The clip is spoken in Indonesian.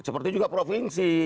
seperti juga provinsi